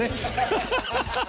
ハハハハ！